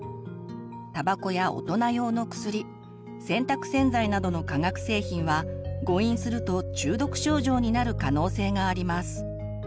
たばこや大人用のくすり洗濯洗剤などの化学製品は誤飲すると中毒症状になる可能性があります。